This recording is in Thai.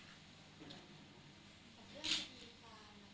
ครับ